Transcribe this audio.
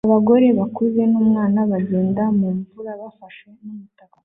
Abagore bakuze numwana bagenda mumvura bafashe n'umutaka